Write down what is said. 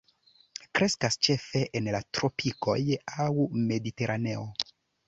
Kreskas ĉefe en la tropikoj aŭ mediteraneo.